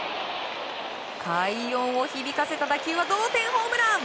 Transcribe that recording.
快音を響かせた打球は同点ホームラン！